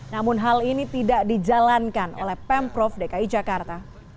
namun hal ini tidak dijalankan oleh pemprov dki jakarta